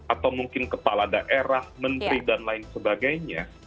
atau mungkin kepala daerah menteri dan lain sebagainya